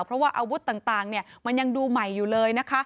เพราะว่าอาวุธต่างมันยังดูใหม่อยู่เลยนะคะ